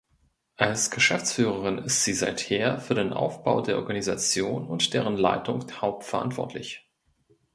Als Geschäftsführerin ist sie seither für den Aufbau der Organisation und deren Leitung hauptverantwortlich.